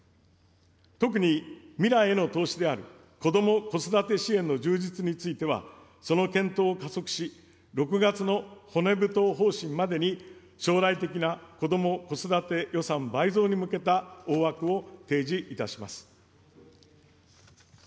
特に、未来への投資であるこども・子育て支援の充実については、その検討を加速し、６月の骨太方針までに将来的なこども・子育て予算倍増に向けた大枠を提示いたします。